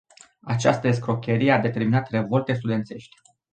Această excrocherie a determinat revolte studențești.